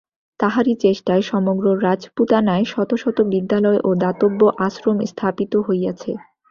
তাঁহারই চেষ্টায় সমগ্র রাজপুতানায় শত শত বিদ্যালয় ও দাতব্য আশ্রম স্থাপিত হইয়াছে।